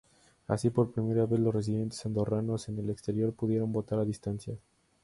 Así, por primera vez, los residentes andorranos en el exterior pudieron votar a distancia.